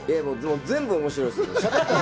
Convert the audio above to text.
全部面白いですもん。